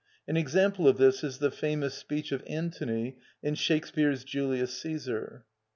An example of this is the famous speech of Antony in Shakspeare's "Julius Cæsar."